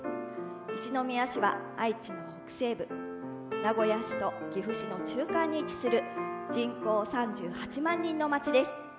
一宮市は愛知の北西部名古屋市と岐阜市の中間に位置する人口３８万人の町です。